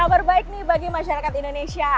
kabar baik nih bagi masyarakat indonesia